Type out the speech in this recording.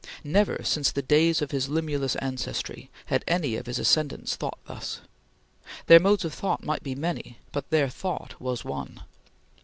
Never since the days of his Limulus ancestry had any of his ascendants thought thus. Their modes of thought might be many, but their thought was one.